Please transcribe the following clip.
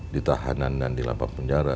di tahanan dan di lapak penjara